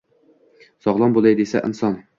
Sogʼlom boʼlay desa inson